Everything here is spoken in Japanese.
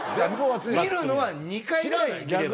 見るのは２回ぐらい見れば。